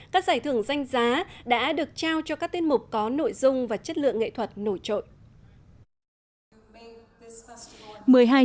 các giải thưởng danh giá đã được trao cho các tiết mục có nội dung và chất lượng nghệ thuật nổi trội